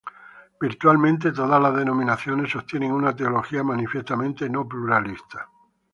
Virtualmente todas las denominaciones cristianas sostienen una teología manifiestamente no-pluralista.